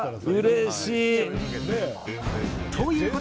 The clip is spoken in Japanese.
うれしい。